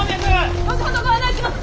後ほどご案内します！